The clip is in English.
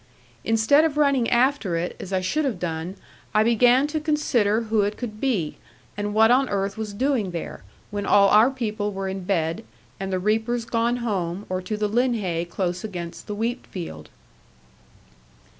Instead of running after it, as I should have done, I began to consider who it could be, and what on earth was doing there, when all our people were in bed, and the reapers gone home, or to the linhay close against the wheatfield.